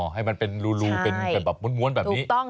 ให้มันเป็นรูเป็นม้วนแบบนี้ใช่ถูกต้อง